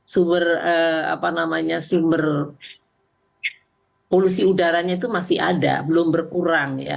sumber apa namanya sumber polusi udaranya itu masih ada belum berkurang ya